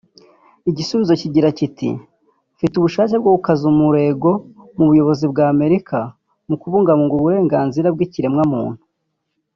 Igisubizo kigira kiti “Mfite ubushake bwo gukaza umurego mu buyobozi bw’Amerika mu kubungabunga uburenganzira bw’ikiremwamuntu